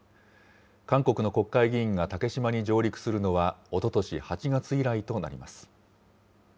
韓国の国会議員が竹島に上陸するのは、おととし８月以来となります。